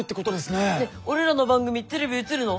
ねっ俺らの番組テレビ映るの？